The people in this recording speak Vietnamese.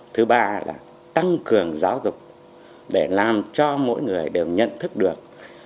thứ ba là tăng cường giáo dục để làm cho mỗi người đều nhận thức được